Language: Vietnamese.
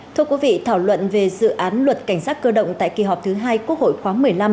thưa quý vị thảo luận về dự án luật cảnh sát cơ động tại kỳ họp thứ hai quốc hội khoáng một mươi năm